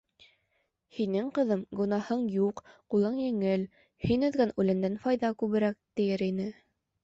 «һинең, ҡыҙым, гонаһың юҡ, ҡулың еңел. һин өҙгән үләндән файҙа күберәк», - тиер ине.